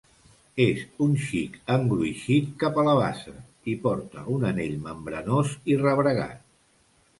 És un xic engruixit cap a la base i porta un anell membranós i rebregat.